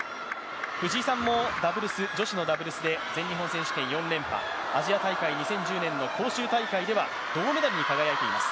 藤井さんも女子のダブルスで全日本選手権４連覇アジア大会２０１０年の広州大会では銅メダルに輝いています。